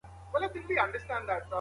د زندانیانو روغتیا ته څنګه پاملرنه کیږي؟